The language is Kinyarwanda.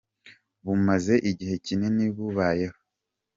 bumaze igihe kinini bubayeho.